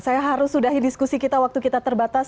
saya harus sudahi diskusi kita waktu kita terbatas